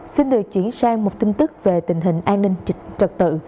xin được chuyển sang một tin tức về tình hình an ninh trật tự